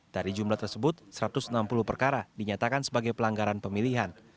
dari jumlah tersebut satu ratus enam puluh perkara dinyatakan sebagai pelanggaran pemilihan